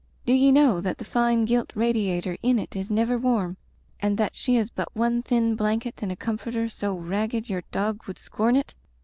Do ye know that the fine gilt radiator in it is never warm and that she has but one thin blanket and a com forter so ragged your dog would scorn it?